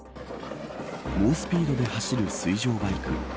猛スピードで走る水上バイク。